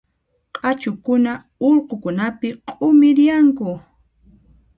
Q'achukuna urqukunapi q'umirianku.